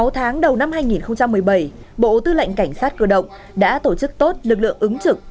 sáu tháng đầu năm hai nghìn một mươi bảy bộ tư lệnh cảnh sát cơ động đã tổ chức tốt lực lượng ứng trực